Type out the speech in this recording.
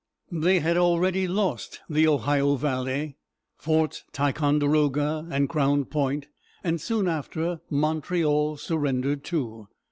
They had already lost the Ohio valley, Forts Ticonderoga and Crown Point, and soon after, Montreal surrendered too.